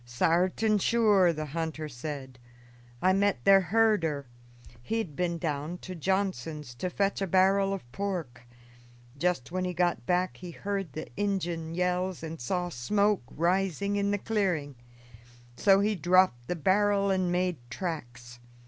"Sartin sure," the hunter said. "I met their herder; he had been down to Johnson's to fetch a barrel of pork. Just when he got back he heard the Injun yells and saw smoke rising in the clearing, so he dropped the barrel and made tracks.